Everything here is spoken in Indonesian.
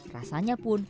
rasanya pun gurih